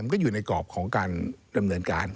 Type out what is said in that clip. ก็อยู่ในกรอบของการดำเนินการ